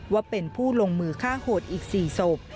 ว่าเป็นผู้ลงมือฆ่าโหดอีก๔ศพ